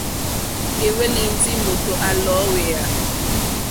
À hwélì ndí mòtò à lɔ̀ɔ́hwèyà.